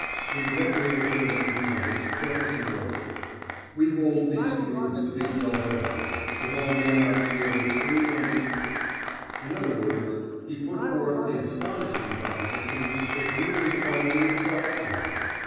In the Declaration of Independence, Jefferson wrote: "We hold these truths to be self evident, that all men are created free and equal." In other words, he put forth the astonishing proposition that human equality is self evident.